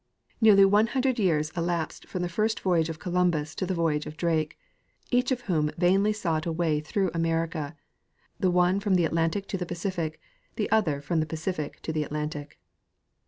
Nearly one hundred years elapsed from the first voyage of Columbus to the voj^age of Drake, each of whom vainly sought a way through America — the one from the Atlantic to the Pacific, the other from the Pacific to the Atlantic.